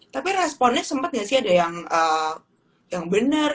tapi responnya sempet gak sih ada yang bener